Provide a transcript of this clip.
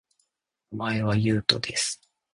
名前は、ゆうとです